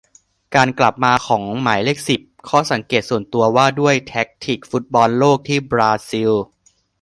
การกลับมาของหมายเลขสิบ : ข้อสังเกตส่วนตัวว่าด้วยแทคติคฟุตบอลโลกที่บราซิล